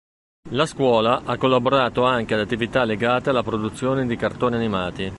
La Scuola ha collaborato anche ad attività legate alla produzione di cartoni animati.